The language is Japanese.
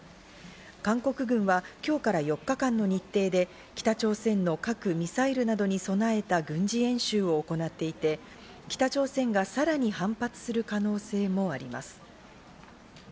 韓国軍は今日から４日間の日程で北朝鮮の核・ミサイルなどに備えた軍事演習を行っていて、北朝鮮がさらに反発する可能性もあります。